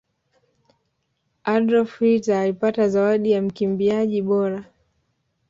adolf hitler alipata zawadi ya mkimbiaji bora